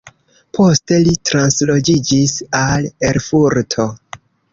Poste li transloĝiĝis al Erfurto.